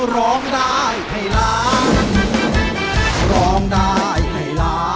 ร้องได้